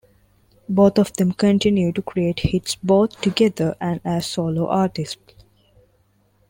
Both of them continue to create hits both together and as solo artists.